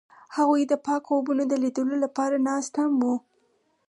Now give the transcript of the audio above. هغوی د پاک خوبونو د لیدلو لپاره ناست هم وو.